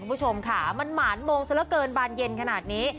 คุณผู้ชมค่ะมันหมานมงซะละเกินบานเย็นขนาดนี้